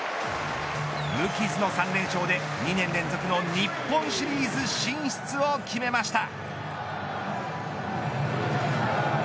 無傷の３連勝で２年連続の日本シリーズ進出を決めました。